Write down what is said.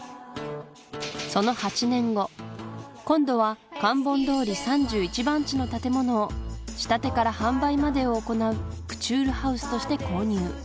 その８年後今度はカンボン通り３１番地の建物を仕立てから販売までを行うクチュールハウスとして購入